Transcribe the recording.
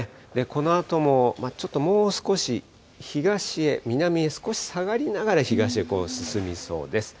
このあともちょっともう少し東へ、南へ少し下がりながら、東へ進みそうです。